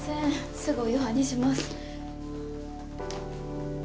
すぐお夕飯にします。